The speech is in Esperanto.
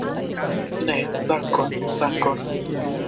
Ne, dankon, dankon.